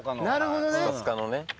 なるほどね。